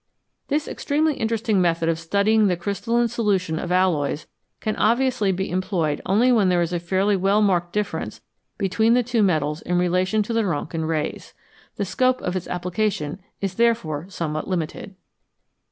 This extremely interesting method of studying the crystalline condition of alloys can obviously be employed only when there is a fairly well marked difference between the two metals in relation to the Rontgen rays ; the scope of its application is therefore somewhat limited.